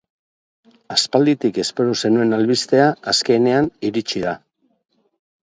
Aspalditik espero zenuen albistea azkenean iritsi da.